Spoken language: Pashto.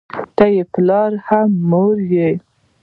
ته پلار یې هم مې مور